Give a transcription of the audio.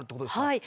はい。